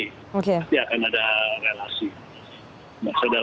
nanti akan ada relasi